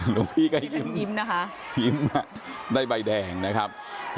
หลวงพี่ก็ยิ้มได้ใบแดงนะครับ